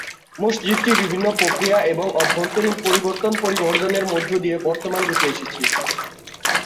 মসজিদটি বিভিন্ন প্রক্রিয়া এবং অভ্যন্তরীণ পরিবর্তন-পরিবর্ধনের মধ্য দিয়ে বর্তমান রূপে এসেছে।